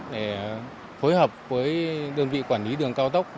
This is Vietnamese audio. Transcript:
để phối hợp với đơn vị quản lý đường cao tốc